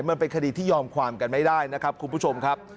มันเป็นคดีที่ยอมความกันไม่ได้นะครับคุณผู้ชมครับ